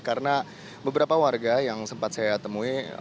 karena beberapa warga yang sempat saya temui